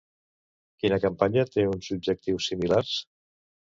Quina campanya té uns objectius similars?